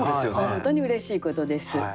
本当にうれしいことです。